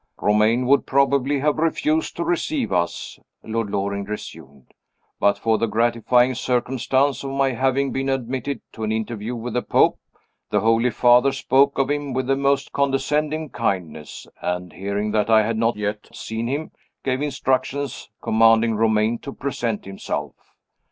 "Romayne would probably have refused to receive us," Lord Loring resumed, "but for the gratifying circumstance of my having been admitted to an interview with the Pope. The Holy Father spoke of him with the most condescending kindness; and, hearing that I had not yet seen him, gave instructions, commanding Romayne to present himself.